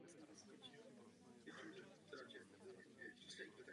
Území rezervace je soukromým majetkem Margaret Brooks Lobkowicz.